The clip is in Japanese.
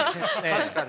確かに。